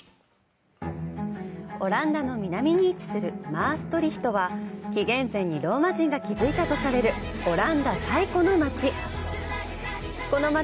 オランダの南に位置するマーストリヒトは紀元前にローマ人が築いたとされるオランダ最古の街。